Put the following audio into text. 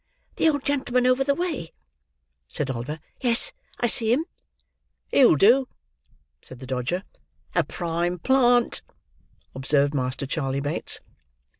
"The old gentleman over the way?" said Oliver. "Yes, I see him." "He'll do," said the Dodger. "A prime plant," observed Master Charley Bates.